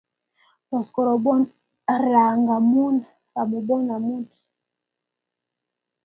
Tos korobon raa ngamun marobon amut